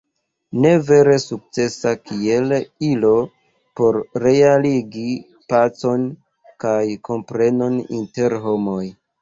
Ne vere sukcesa kiel ilo por realigi pacon kaj komprenon inter homoj.